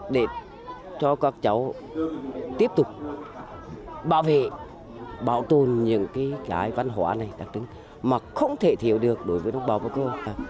để cho các cháu tiếp tục bảo vệ bảo tồn những cái văn hóa này đặc trưng mà không thể thiếu được đối với đồng bào các cơ